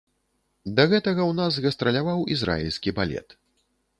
Да гэтага ў нас гастраляваў ізраільскі балет.